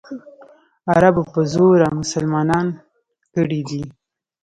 عربو په زوره مسلمانان کړي دي.